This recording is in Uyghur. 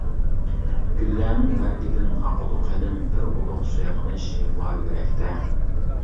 گۈللەرنىڭ بەرگىدىن ئاقىدۇ قېنىم، بىر ئۇلۇغ سېغىنىش يىغلار يۈرەكتە.